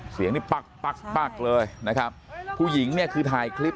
เสียงนี้ปั๊กปักปั๊กเลยนะครับผู้หญิงเนี่ยคือถ่ายคลิป